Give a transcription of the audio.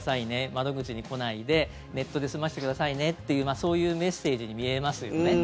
窓口に来ないで、ネットで済ませてくださいねっていうそういうメッセージに見えますよね。